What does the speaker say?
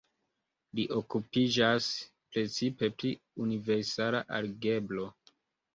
Li okupiĝas precipe pri universala algebro.